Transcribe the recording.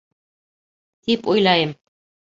... тип уйлайым